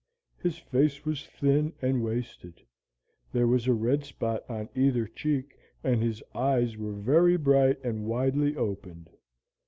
His face was thin and wasted; there was a red spot on either cheek, and his eyes were very bright and widely opened.